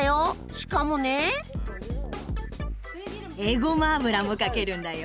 しかもねえごま油もかけるんだよ！